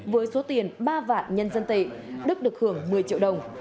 với số tiền ba vạn nhân dân tệ đức được hưởng một mươi triệu đồng